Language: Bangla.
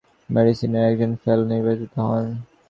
তিনি ফ্রেঞ্চ একাডেমী অফ মেডিসিন-এর একজন ফেলো নির্বাচিত হন।